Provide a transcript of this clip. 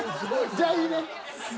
じゃあいいね？